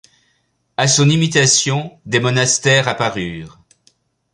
À son imitation, des monastères apparurent.